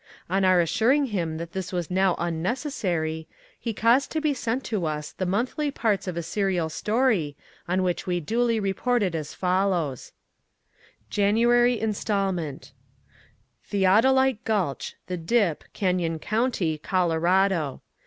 On our assuring him that this was now unnecessary, he caused to be sent to us the monthly parts of a serial story, on which we duly reported as follows: JANUARY INSTALMENT Theodolite Gulch, The Dip, Canon County, Colorado.